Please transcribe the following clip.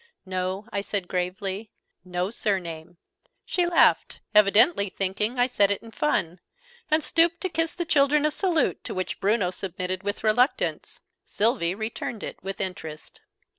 "No," I said gravely. "No surname." She laughed, evidently thinking I said it in fun; and stooped to kiss the children a salute to which Bruno submitted with reluctance: Sylvie returned it with interest.